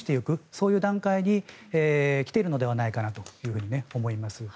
そういう段階に来ているのではないかなと思います。